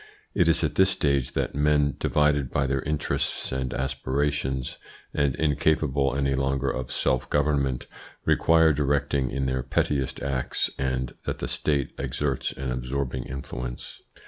It is at this stage that men, divided by their interests and aspirations, and incapable any longer of self government, require directing in their pettiest acts, and that the State exerts an absorbing influence.